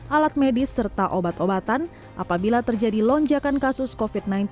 alat medis serta obat obatan apabila terjadi lonjakan kasus covid sembilan belas